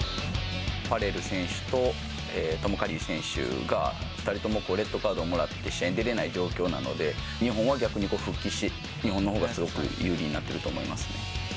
ファレル選手とトム・カリー選手が、２人ともレッドカードをもらって試合に出れない状況なので、日本は逆に復帰して、日本のほうがすごく有利になってると思いますね。